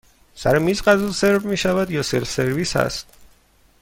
سر میز غذا سرو می شود یا سلف سرویس هست؟